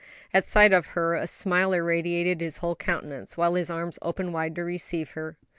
At sight of her a smile irradiated his whole countenance, while his arms opened wide to receive her.